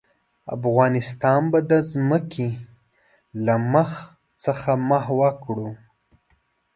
افغانستان به د ځمکې له مخ څخه محوه کړو.